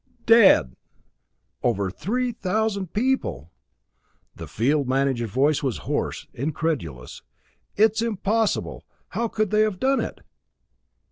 "Dead! Over three thousand people!" The field manager's voice was hoarse, incredulous. "It's impossible how could they have done it?